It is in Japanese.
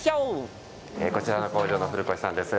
こちらの工場の古越さんです。